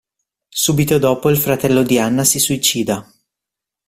Subito dopo il fratello di Anna si suicida.